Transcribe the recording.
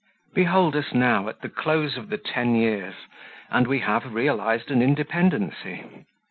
Behold us now at the close of the ten years, and we have realized an independency.